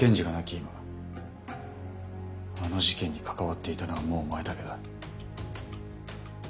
今あの事件に関わっていたのはもうお前だけだ。